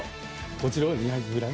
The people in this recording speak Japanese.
こちらを２００ｇ。